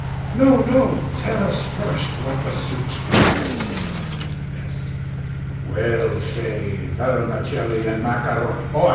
_ "No, no; tell us first what the soups were?" S. "Well, say vermicelli and macaro Oh!